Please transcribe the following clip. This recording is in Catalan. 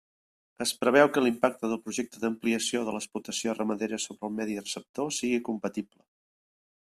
Es preveu que l'impacte del Projecte d'ampliació de l'explotació ramadera sobre el medi receptor sigui compatible.